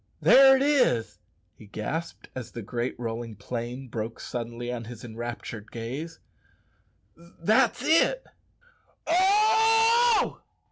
"There it is," he gasped, as the great rolling plain broke suddenly on his enraptured gaze; "that's it oh!